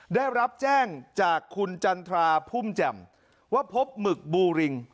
ได้รับแจ้งจากคุณจันทราพุ่มแจ่มว่าพบหมึกบูริง